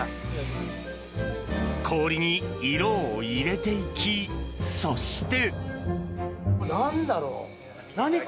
氷に色を入れていきそして。